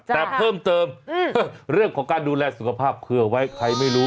แต่เพิ่มเติมเรื่องของการดูแลสุขภาพเผื่อไว้ใครไม่รู้